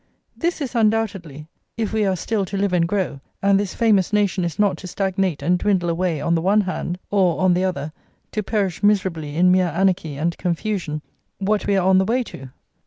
This is undoubtedly, if we are still to live and grow, and this famous nation is not to stagnate and dwindle away on the one hand, or, on the other, to perish miserably in mere anarchy and confusion, what we are on the way to.